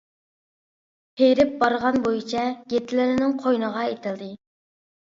ھېرىپ بارغان بويىچە گىتلېرنىڭ قوينىغا ئېتىلدى.